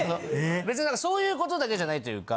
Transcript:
別にそういうことだけじゃないというか。